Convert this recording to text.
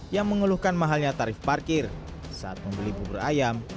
yang mengeluhkan mahalnya tarif parkir saat membeli bubur ayam